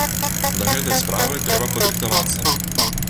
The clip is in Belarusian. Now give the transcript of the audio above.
Да гэтай справы трэба падрыхтавацца.